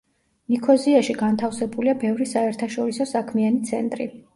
ნიქოზიაში განთავსებულია ბევრი საერთაშორისო საქმიანი ცენტი.